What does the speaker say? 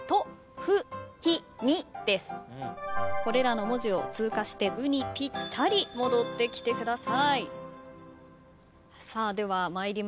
これらの文字を通過して「う」にぴったり戻ってきてください。